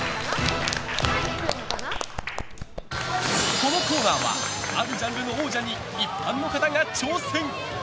このコーナーはあるジャンルの王者に一般の方が挑戦。